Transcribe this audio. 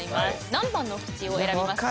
何番のクチを選びますか？